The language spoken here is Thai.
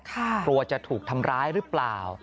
กลัวจะถูกทำร้ายหรือเปล่า